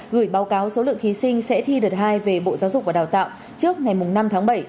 gửi báo cáo số lượng thí sinh sẽ thi đợt hai về bộ giáo dục và đào tạo trước ngày năm tháng bảy